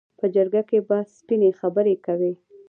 په جرګه کې به سپینې خبرې کوي.